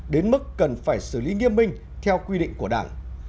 đến mức cần phải xử lý nghiêm minh theo quy định của đảng